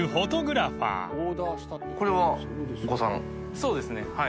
そうですねはい。